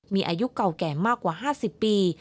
มีอายุเก่าแก่มากกว่า๕๐ปี